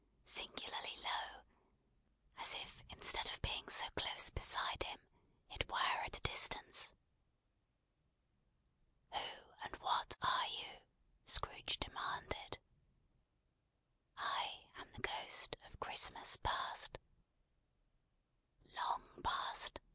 Singularly low, as if instead of being so close beside him, it were at a distance. "Who, and what are you?" Scrooge demanded. "I am the Ghost of Christmas Past." "Long Past?"